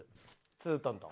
ツー・トン・トン。